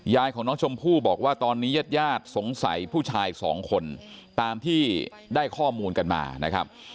ของน้องชมพู่บอกว่าตอนนี้ญาติญาติสงสัยผู้ชายสองคนตามที่ได้ข้อมูลกันมานะครับ